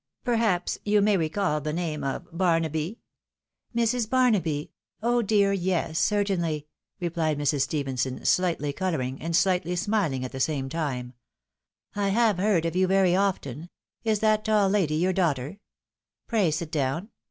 — ^Perhaps you may reoal the name of Barnaby ?"" Mrs. Barnaby ? Oh dear yes, certainly !" rephed Mrs. Stephenson, sUghtly colouring, and slightly smiling at the same time. " I have heard of you very often. Is that tall lady your daughter ? Pray sit down.